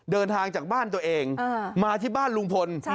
เดินทางจากบ้านตัวเองมาที่บ้านลุงพล